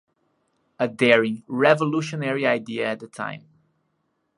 A daring, revolutionary idea at the time.